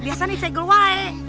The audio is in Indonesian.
biasanya saya keluar eh